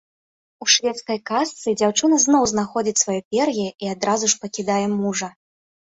У шведскай казцы дзяўчына зноў знаходзіць сваё пер'е і адразу ж пакідае мужа.